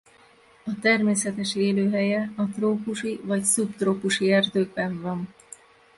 A természetes élőhelye a trópusi vagy szubtrópusi erdőkben van.